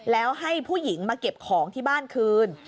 แล้วให้ผู้หญิงมาเก็บของที่บ้านคืน